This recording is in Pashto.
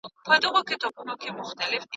ته زما په اړه هېڅ اندېښنه مه کوه.